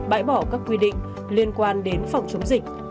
bãi bỏ các quy định liên quan đến phòng chống dịch